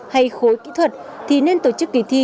hay khối kỹ thuật thì nên tổ chức kỳ thi